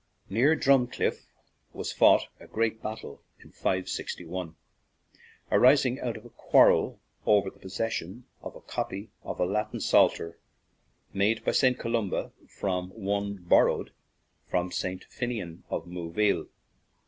Near Drumcliff was fought a great bat tle in 561, arising out of a quarrel over the possession of a copy of a Latin Psalter made by St. Columba from one borrowed of St. Finnian, of Moville.